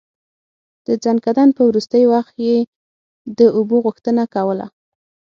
د ځنکدن په وروستی وخت يې د اوبو غوښتنه کوله.